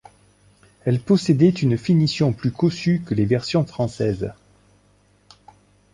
Elles possédaient une finition plus cossue que les versions françaises.